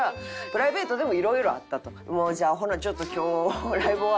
「じゃあほなちょっと今日ライブ終わって」。